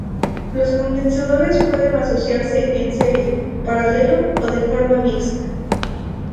Los condensadores pueden asociarse en serie, paralelo o de forma mixta.